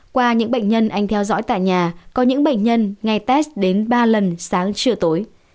qua những bệnh nhân anh theo dõi tại nhà có những bệnh nhân ngay tes đến ba lần sáng chiều tối